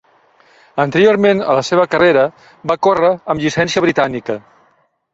Anteriorment a la seva carrera, va córrer amb llicència britànica.